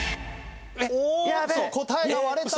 おおっと答えが割れた。